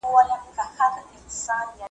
وئیل یې یو عذاب د انتظار په نوم یادېږي `